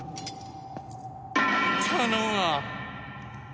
頼むわ。